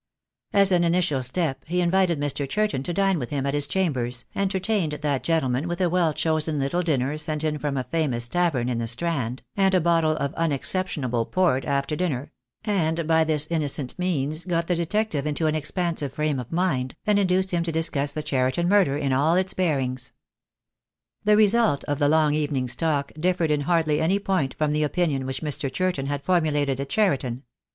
As an initial step he invited Mr. Churton to dine with him at his chambers, entertained that gentleman with a well chosen little dinner sent in from a famous tavern in the Strand, and a bottle of unexceptionable port after dinner; and by this innocent means got the detective into an expansive frame of mind, and induced him to discuss the Cheriton murder in all its bearings. The result of the long evening's talk differed in hardly any point from the opinion which Mr. Churton had formulated at Cheriton.